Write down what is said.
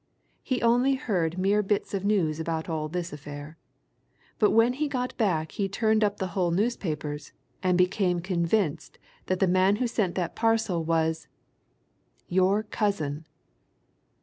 He only heard mere bits of news about all this affair. But when he got back he turned up the Hull newspapers, and became convinced that the man who sent that parcel was your cousin!"